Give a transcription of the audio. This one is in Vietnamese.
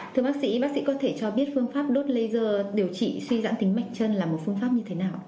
thưa bác sĩ bác sĩ có thể cho biết phương pháp đốt laser điều trị suy giãn tính mạch chân là một phương pháp như thế nào